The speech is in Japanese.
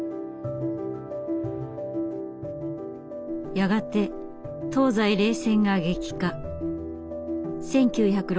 やがて東西冷戦が激化。